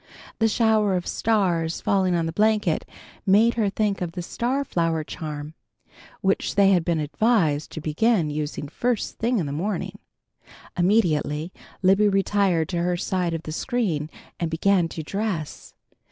The shower of stars falling on the blanket made her think of the star flower charm, which they had been advised to begin using first thing in the morning. Immediately Libby retired to her side of the screen and began to dress.